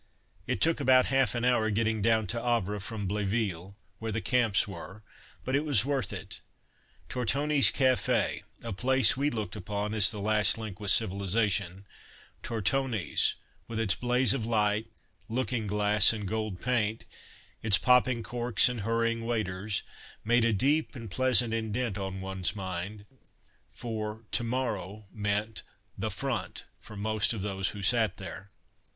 It took about half an hour getting down to Havre from Bléville where the Camps were, but it was worth it. Tortoni's Café, a place that we looked upon as the last link with civilization: Tortoni's, with its blaze of light, looking glass and gold paint its popping corks and hurrying waiters made a deep and pleasant indent on one's mind, for "to morrow" meant "the Front" for most of those who sat there.